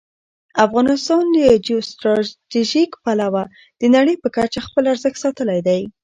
افغانستان له جیو سټراټژيک پلوه د نړۍ په کچه خپل ارزښت ساتلی دی.